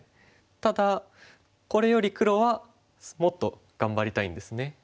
ただこれより黒はもっと頑張りたいんですね。